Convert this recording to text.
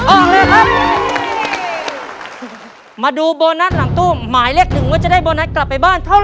ออกเลยครับมาดูโบนัสหลังตู้หมายเลขหนึ่งว่าจะได้โบนัสกลับไปบ้านเท่าไ